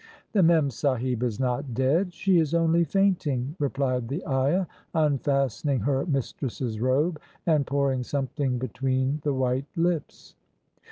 "The Memsahib is not dead: she is only fainting," re plied the ayah, unfastening her mistress's robe and pouring something between the white lips.